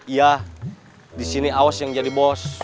iya disini aos yang jadi bos